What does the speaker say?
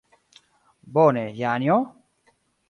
Bone, Janjo?